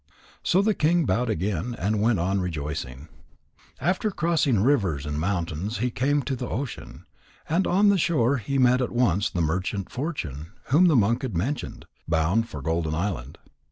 So the king bowed again and went on rejoicing. After crossing rivers and mountains he came to the ocean. And on the shore he met at once the merchant Fortune whom the monk had mentioned, bound for Golden Island.